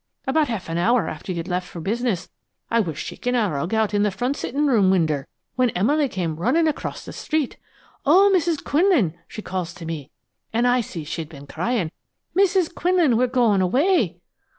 About half an hour after you'd left for business I was shakin' a rug out of the front sittin' room winder, when Emily come runnin' across the street. "'Oh, Mrs. Quinlan!' she calls to me, an' I see she'd been cryin'. 'Mrs. Quinlan, we're goin' away!'